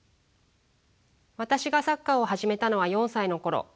私がサッカーを始めたのは４歳の頃。